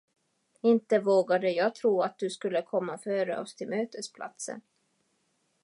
Inte vågade jag tro att du skulle komma före oss till mötesplatsen.